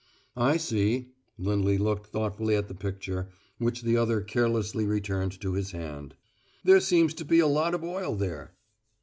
"I see." Lindley looked thoughtfully at the picture, which the other carelessly returned to his hand. "There seems to be a lot of oil there."